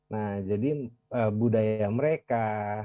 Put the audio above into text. nah jadi budaya mereka